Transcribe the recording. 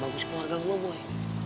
bagus keluarga gue boy